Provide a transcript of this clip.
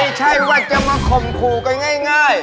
ไม่ใช่ว่าจะมาข่มขู่กันง่าย